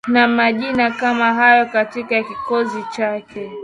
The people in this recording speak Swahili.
na majina kama hayo katika kikosi chake